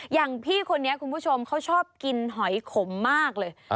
อย่างพี่คนนี้คุณผู้ชมเขาชอบกินหอยขมมากเลย